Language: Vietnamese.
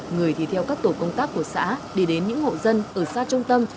người thì theo các tổ công tác của xã đi đến những hộ dân ở xa trung tâm